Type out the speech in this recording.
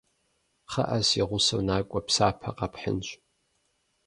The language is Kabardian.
Кхъыӏэ, си гъусэу накӏуэ, псапэ къэпхьынщ.